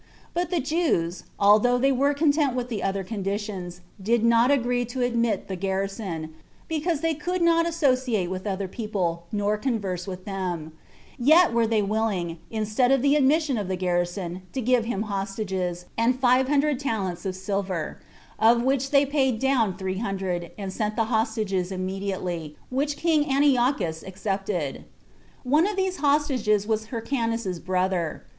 But the Jews, although they were content with the other conditions, did not agree to admit the garrison, because they could not associate with other people, nor converse with them; yet were they willing, instead of the admission of the garrison, to give him hostages, and five hundred talents of silver; of which they paid down three hundred, and sent the hostages immediately, which king Antiochus accepted. One of those hostages was Hyrcanus's brother.